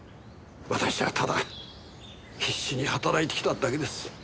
私はただ必死に働いてきただけです。